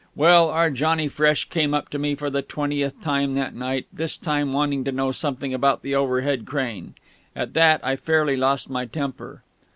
Well, our Johnnie Fresh came up to me for the twentieth time that night, this time wanting to know something about the overhead crane. At that I fairly lost my temper.